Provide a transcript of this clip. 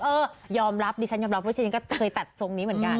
เออยอมรับดิฉันยอมรับว่าฉันก็เคยตัดทรงนี้เหมือนกัน